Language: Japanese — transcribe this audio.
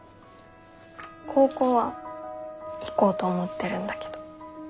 高校は行こうと思ってるんだけど。